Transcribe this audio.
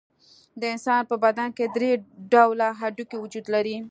د انسان په بدن کې درې ډوله هډوکي وجود لري.